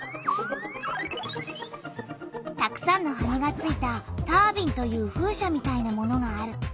たくさんの羽がついた「タービン」という風車みたいなものがある。